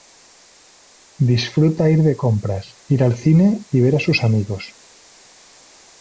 Disfruta ir de compras, ir al cine y ver a sus amigos.